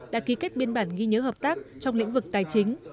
đã ký kết biên bản ghi nhớ hợp tác trong lĩnh vực tài chính